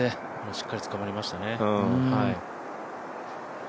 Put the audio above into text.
しっかりつかまりましたね。